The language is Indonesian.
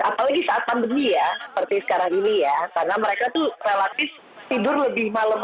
apalagi saat pandemi ya seperti sekarang ini ya karena mereka tuh relatif tidur lebih malam